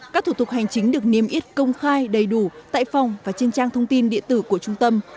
các thủ tục hành chính được niêm yết công khai đầy đủ tại phòng và trên trang thông tin địa tử của trung tâm